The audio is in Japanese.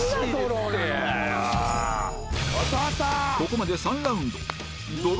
ここまで３ラウンド